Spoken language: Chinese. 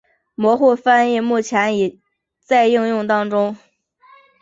模糊翻译目前已在应用当中。